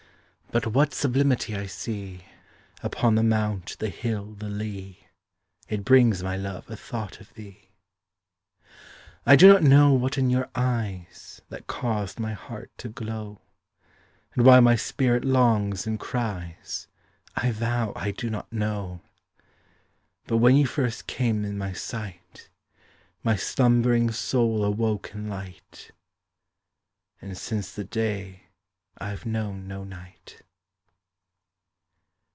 But what sublimity I see, Upon the mount, the hill, the lea, It brings, my love, a thought of thee. I do not know what in your eyes, That caused my heart to glow, And why my spirit longs and cries, I vow, I do not know. But when you first came in my sight, My slumbering soul awoke in light, And since the day I’ve known no night.